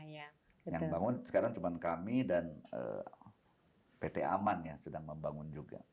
yang bangun sekarang cuma kami dan pt aman ya sedang membangun juga